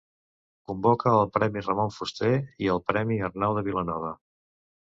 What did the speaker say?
Convoca el Premi Ramon Fuster i el Premi Arnau de Vilanova.